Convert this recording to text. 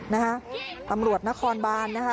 นะครับตำรวจนครบาน